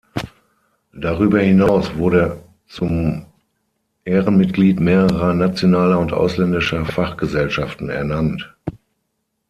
Darüber hinaus wurde zum Ehrenmitglied mehrerer nationaler und ausländischer Fachgesellschaften ernannt.